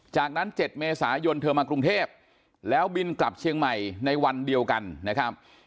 จากนั้น๗เมษายนเธอมากรุงเทพแล้วบินกลับเชียงใหม่ในวันเดียวกันนะครับ